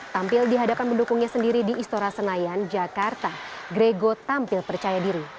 tampil dihadapan mendukungnya sendiri di istora senayan jakarta gregor tampil percaya diri